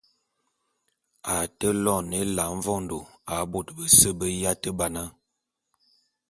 M’ate loene Ela mvondô a bôte bese be yate ba na.